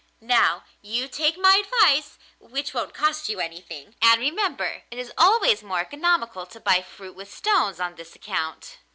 Now, you take my advice which won't cost you anything and remember that it is always more economical to buy fruit with stones on this account.